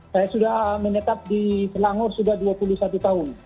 saya sudah menetap di selangor sudah dua puluh satu tahun